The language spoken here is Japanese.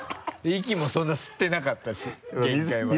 息もそんな吸ってなかったし限界まで。